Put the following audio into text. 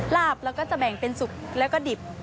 ลาบเราก็จะแบ่งเป็นสุกแล้วก็ดิบ